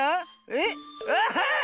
えっ？あっ！